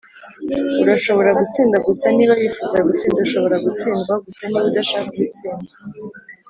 "urashobora gutsinda gusa niba wifuza gutsinda; ushobora gutsindwa gusa niba udashaka gutsindwa